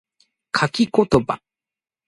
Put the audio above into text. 書き言葉